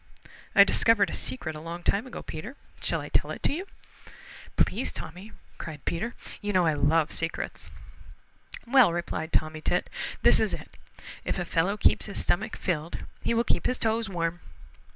I discovered a secret a long time ago, Peter; shall I tell it to you?" "Please, Tommy," cried Peter. "You know how I love secrets." "Well," replied Tommy Tit, "this is it: If a fellow keeps his stomach filled he will beep his toes warm."